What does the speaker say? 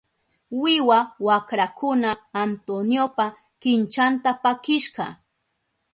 Wiwa wakrakuna Antoniopa kinchanta pakishka.